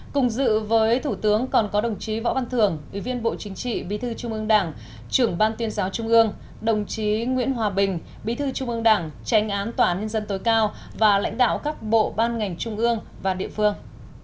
cùng dự với thủ tướng còn có đồng chí võ văn thưởng ủy viên bộ chính trị bí thư trung ương đảng trưởng ban tuyên giáo trung ương đồng chí nguyễn hòa bình bí thư trung ương đảng tránh án tòa án nhân dân tối cao và lãnh đạo các bộ ban ngành trung ương và địa phương